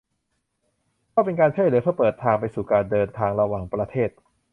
ก็เป็นการช่วยเหลือเพื่อเปิดทางไปสู่การเดินทางระหว่างประเทศ